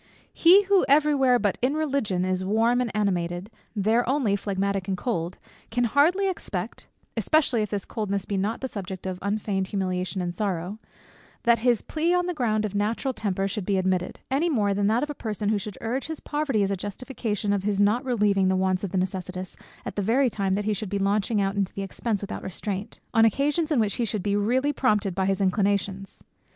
He who every where but in Religion is warm and animated, there only phlegmatic and cold, can hardly expect (especially if this coldness be not the subject of unfeigned humiliation and sorrow) that his plea on the ground of natural temper should be admitted; any more than that of a person who should urge his poverty as a justification of his not relieving the wants of the necessitous, at the very time that he should be launching out into expence without restraint, on occasions in which he should be really prompted by his inclinations.